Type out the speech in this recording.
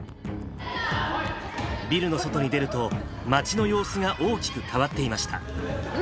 ビルの外に出ると、街の様子が大きく変わっていました。